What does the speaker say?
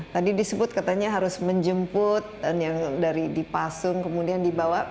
tadi disebut katanya harus menjemput dipasung kemudian dibawa